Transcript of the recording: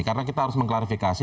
karena kita harus mengklarifikasi